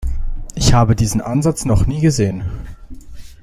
Ich habe diesen Ansatz noch nie gesehen.